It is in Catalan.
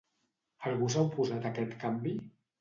Algú s'ha oposat a aquest canvi?